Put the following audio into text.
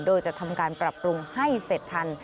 โดยจะทำการปรับปรุงให้เสร็จทัน